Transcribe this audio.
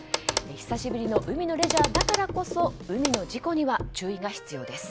久しぶりの海のレジャーだからこそ海の事故には注意が必要です。